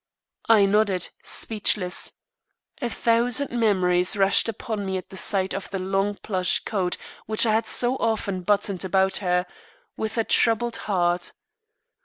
I nodded, speechless. A thousand memories rushed upon me at the sight of the long plush coat which I had so often buttoned about her, with a troubled heart.